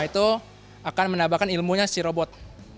itu akan menambahkan ilmunya si robot